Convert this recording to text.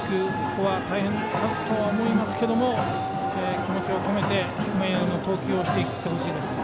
ここは大変かとは思いますが気持ちを込めて低めへの投球をしていってほしいです。